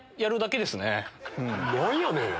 何やねん！